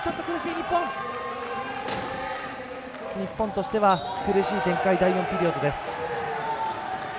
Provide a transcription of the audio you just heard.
日本としては苦しい展開第４ピリオドです。